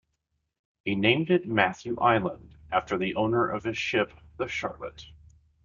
He named it Matthew Island, after the owner of his ship, the Charlotte.